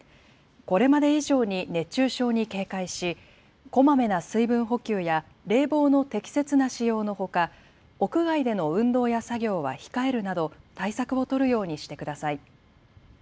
これまで以上に熱中症に警戒しこまめな水分補給や冷房の適切な使用のほか屋外での運動や作業は控えるなど対策を取るようにしてください。